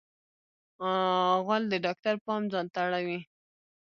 غول د ډاکټر پام ځانته اړوي.